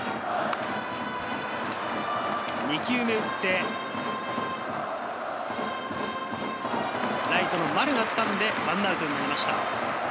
２球目を打って、ライト・丸がつかんで１アウトになりました。